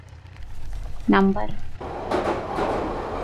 ނަންބަރު